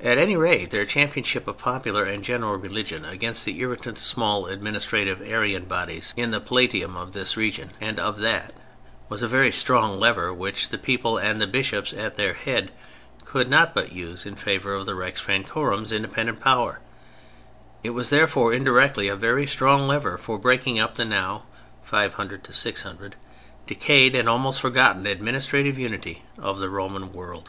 At any rate, their championship of popular and general religion against the irritant, small, administrative Arian bodies in the Palatium of this region and of that, was a very strong lever which the people and the Bishops at their head could not but use in favor of the Rex Francorum's independent power. It was, therefore, indirectly, a very strong lever for breaking up the now (500 600) decayed and almost forgotten administrative unity of the Roman world.